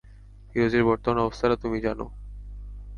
ফিরোজের বর্তমান অবস্থাটা তুমি জান?